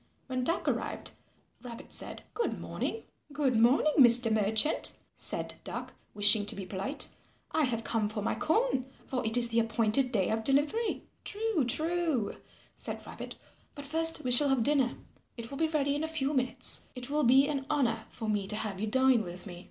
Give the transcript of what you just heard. When Duck arrived, Rabbit said, "Good morning." "Good morning, Mr. Merchant," said Duck, wishing to be polite. "I have come for my corn, for it is the appointed day of delivery." "True, true," said Rabbit, "but first we shall have dinner. It will be ready in a few minutes. It will be an honour for me to have you dine with me."